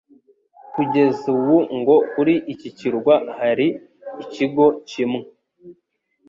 Kugeza ubu ngo kuri iki kirwa hari ikigo kimwe